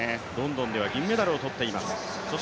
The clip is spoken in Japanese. ロンドンでは銀メダルを取っています。